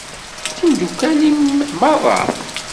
D timdukal-im merra?